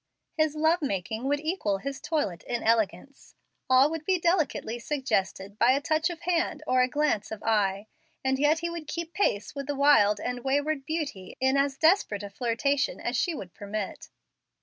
His love making would equal his toilet in elegance. All would be delicately suggested by touch of hand or glance of eye, and yet he would keep pace with the wild and wayward beauty in as desperate a flirtation as she would permit.